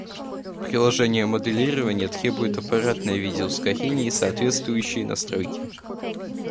Приложение моделирования требует аппаратное видео-ускорение и соответствующие настройки